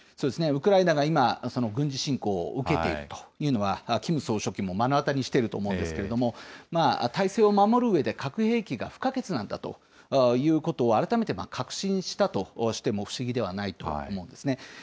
ウクライナが今、軍事侵攻を受けているというのは、キム総書記も目の当たりにしていると思うんですけれども、体制を守るうえで、核兵器が不可欠なんだということを改めて確信したとしても不思議ではないと思うんですね。